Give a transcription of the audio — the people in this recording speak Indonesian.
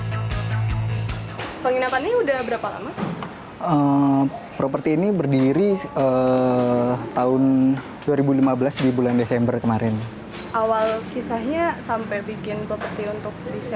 sewa properti untuk disewakan itu